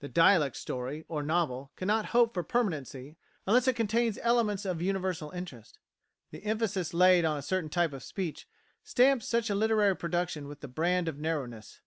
The dialect story, or novel, cannot hope for permanency unless it contains elements of universal interest. The emphasis laid on a certain type of speech stamps such a literary production with the brand of narrowness.